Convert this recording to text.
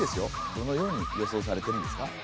どのように予想されてるんですか？